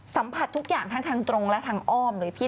สัมผัสทุกอย่างทั้งทางตรงและทางอ้อมเลยพี่